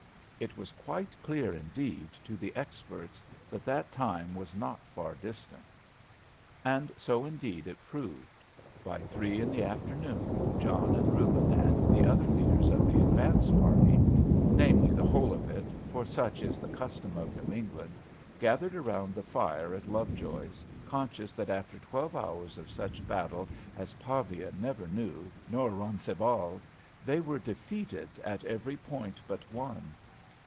It was quite clear, indeed, to the experts that that time was not far distant. And so, indeed, it proved. By three in the afternoon, John and Reuben and the other leaders of the advance party namely, the whole of it, for such is the custom of New England gathered around the fire at Lovejoy's, conscious that after twelve hours of such battle as Pavia never saw, nor Roncesvalles, they were defeated at every point but one.